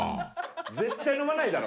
絶対飲まないだろ！